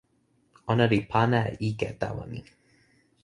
ona li pana e ike tawa mi.